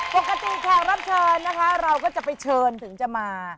แขกรับเชิญนะคะเราก็จะไปเชิญถึงจะมา